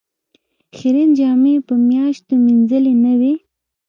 خیرنې جامې یې په میاشتو مینځلې نه وې.